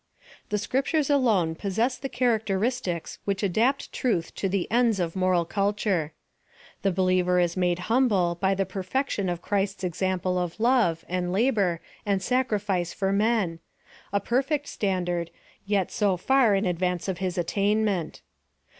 The Scriptures alone possess the characteristics which adapt truth to the ends of moral culture. The believer is made humble by the perfection of Christ's example of love, and labor, and sacrifice for men — a perfect standard, yet so far in advance of his attainment.